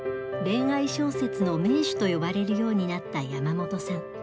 恋愛小説の名手と呼ばれるようになった山本さん。